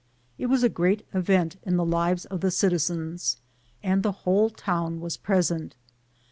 It was a great event in the lives of the citizens, and the whole town was present.